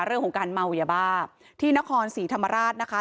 เรื่องของการเมายาบ้าที่นครศรีธรรมราชนะคะ